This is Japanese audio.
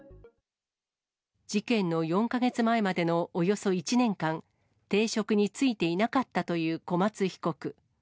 事件の４か月前までのおよそ１年間、定職に就いていなかったという小松被告。